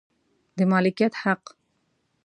د مالکیت حق